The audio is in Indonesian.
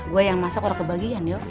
gue yang masak orang kebagian ya